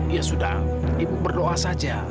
ya sudah ibu berdoa saja